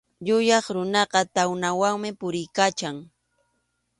Yuyaq runaqa tawnawanmi puriykachan.